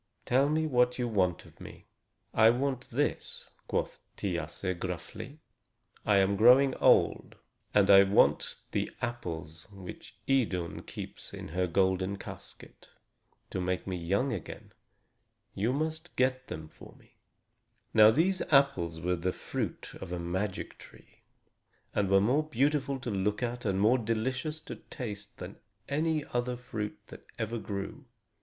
Tell me what you want of me?" "I want this," quoth Thiasse gruffly. "I am growing old, and I want the apples which Idun keeps in her golden casket, to make me young again. You must get them for me." Now these apples were the fruit of a magic tree, and were more beautiful to look at and more delicious to taste than any fruit that ever grew.